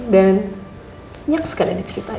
dan nyaks kadang diceritain